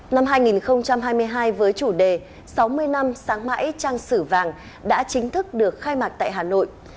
năm hai nghìn hai mươi hai với chủ đề sáu mươi năm sáng mãi trang sử vàng đã chính thức được khai mạc tại hà nội